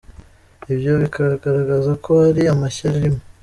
Ibyo bikagaragaza ko hari amashyari arimo.”